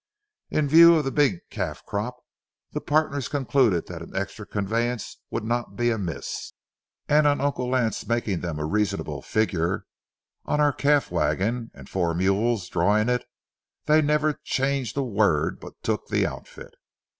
In view of the big calf crop, the partners concluded that an extra conveyance would not be amiss, and on Uncle Lance making them a reasonable figure on our calf wagon and the four mules drawing it, they never changed a word but took the outfit.